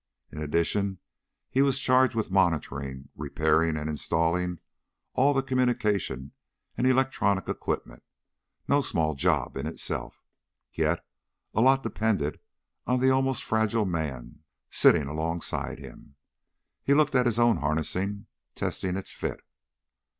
In addition, he was charged with monitoring, repairing and installing all the communication and electronic equipment, no small job in itself. Yes, a lot depended on the almost fragile man sitting alongside him. He looked at his own harnessing, testing its fit.